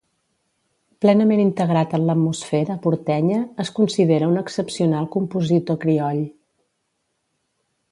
Plenament integrat en l'atmosfera portenya, es considera un excepcional compositor crioll.